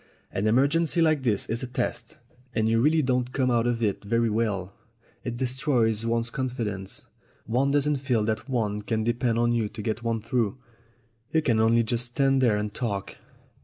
An emergency like this is a test, and you really don't come out of it very well. It destroys one's confidence. One doesn't feel that one can de pend on you to get one through. You can only just stand there and talk."